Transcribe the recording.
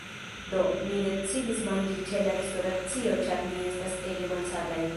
Do, ni decidis manĝi ĉe la restoracio ĉar ni estas ege malsataj